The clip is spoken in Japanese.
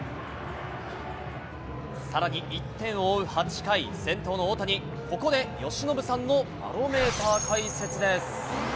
さらに１点を追う８回、先頭の大谷、ここで由伸さんのバロメーター解説です。